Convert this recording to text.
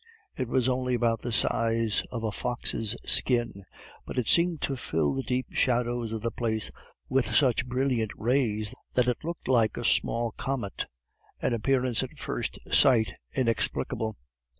It was only about the size of a fox's skin, but it seemed to fill the deep shadows of the place with such brilliant rays that it looked like a small comet, an appearance at first sight inexplicable.